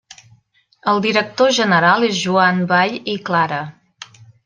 El director general és Joan Vall i Clara.